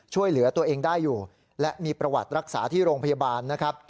ช่วยเหลือตัวเองได้อยู่และมีประวัติรักษาที่โรงพยาบาลนะครับ